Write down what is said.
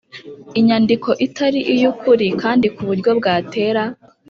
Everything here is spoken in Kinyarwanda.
inyandiko itari iy’ukuri kandi ku buryo bwatera